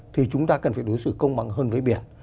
thì chúng ta cần phải đối xử công bằng hơn với biển